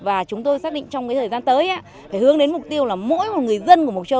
và chúng tôi xác định trong thời gian tới phải hướng đến mục tiêu là mỗi một người dân của mộc châu